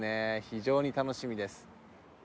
非常に楽しみです。